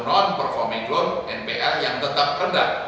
non performing loan npr yang tetap rendah